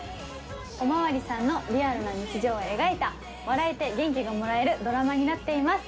お巡りさんのリアルな日常を描いた笑えて元気がもらえるドラマになっています。